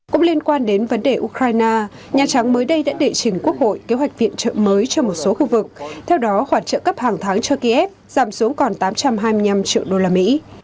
cũng liên quan đến vấn đề ukraine nhà trắng mới đây đã đệ trình quốc hội kế hoạch viện trợ mới cho một số khu vực theo đó khoản trợ cấp hàng tháng cho kiev giảm xuống còn tám trăm hai mươi năm triệu đô la mỹ